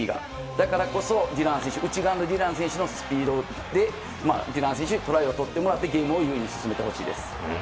だからこそ内側のディラン選手のスピードで、ディラン選手にトライを取ってもらってゲームを優位に進めてほしいです。